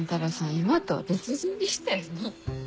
今とは別人でしたよね。